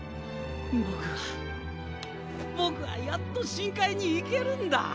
僕は僕はやっと深海に行けるんだ！